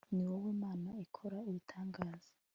ni wowe mana ikora ibitangaza